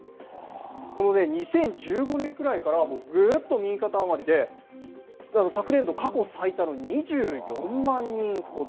この２０１５年くらいからぐっと右肩上がりで昨年度、過去最多の２４万人ほど。